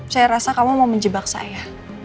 saya rasa kamu mau menjebak saya